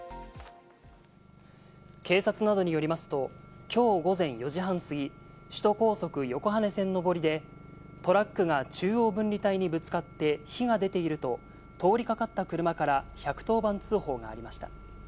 警察などによりますと、今日午前４時半過ぎ、首都高速・横羽線上りでトラックが中央分離帯にぶつかって、火が出ていると通りかかった車から１１０番通報がありました。